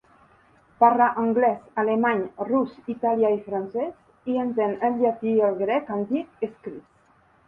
Parla anglès, alemany, rus, italià i francès i entén el llatí i el grec antic escrits.